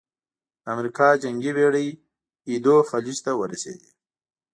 د امریکا جنګي بېړۍ ایدو خلیج ته ورسېدې.